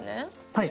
「はい。